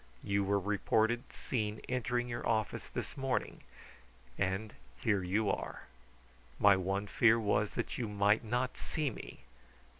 You were reported seen entering your office this morning; and here you are. My one fear was that you might not see me.